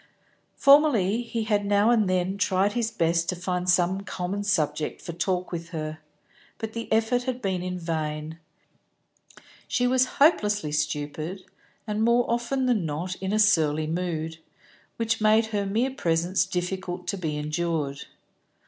Formerly he had now and then tried his best to find some common subject for talk with her, but the effort had been vain; she was hopelessly stupid, and more often than not in a surly mood, which made her mere presence difficult to be endured.